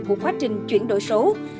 của quá trình chuyển đổi số